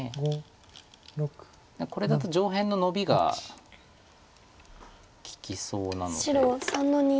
これだと上辺のノビが利きそうなので。